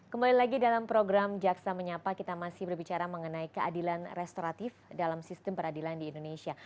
kembali lagi dalam program jaksa menyapa kita masih berbicara mengenai keadilan restoratif dalam sistem peradilan di indonesia